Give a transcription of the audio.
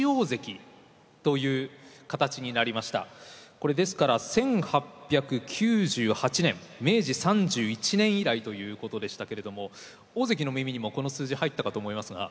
これですから１８９８年明治３１年以来ということでしたけれども大関の耳にもこの数字入ったかと思いますが。